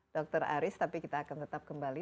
dokter aris tetap kembali